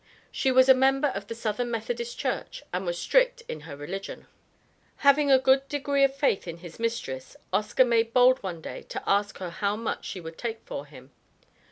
She was a member of the Southern Methodist Church, and was strict in her religion." Having a good degree of faith in his mistress, Oscar made bold one day to ask her how much she would take for him.